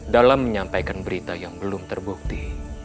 dalam menyampaikan berita yang belum terbukti